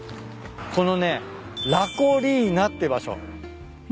このねラコリーナって場所。